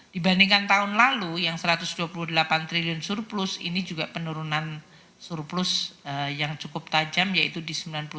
dibandingkan tahun lalu yang satu ratus dua puluh delapan triliun surplus ini juga penurunan surplus yang cukup tajam yaitu di sembilan puluh tujuh